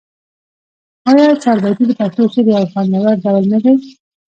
آیا چهاربیتې د پښتو شعر یو خوندور ډول نه دی؟